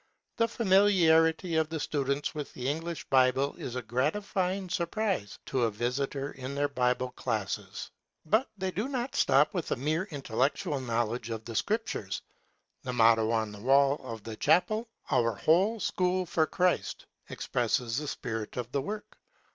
The flEuniliarity of the students with the English Bible is a gratifying surprise to a visitor in their Bible classes. But they do not atop with a mere intellectual knowledge of the Scriptures. The motto on the wall of the chapel, *' Our Whole School for Christ," ex presses the spirit of the work.